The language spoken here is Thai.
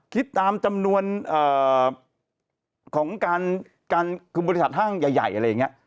คิดตามจำนวนของการคือบริษัทห้างใหญ่อะไรอย่างนี้